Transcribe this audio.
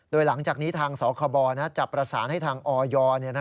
โดยหลังจากนี้ทางสคบจะประสานให้ทางออย